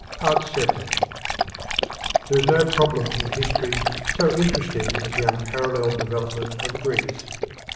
The Greeks There is no problem in history so interesting as the unparalleled development of Greece.